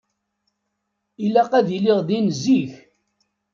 Ilaq ad iliɣ din zik.